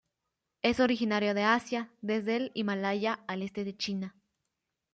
Es originario de Asia desde el Himalaya al este de China.